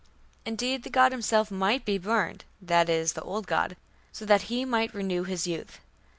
Indeed the god himself might be burned (that is, the old god), so that he might renew his youth.